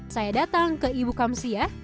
saya datang ke ibu kamsia